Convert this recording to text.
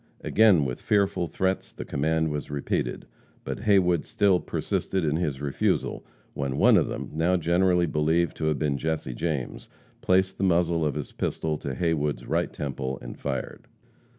Again with fearful threats the command was repeated. But Haywood still persisted in his refusal, when one of them, now generally believed to have been Jesse James, placed the muzzle of his pistol to Haywood's right temple, and fired.